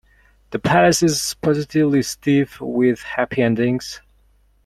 The place is positively stiff with happy endings.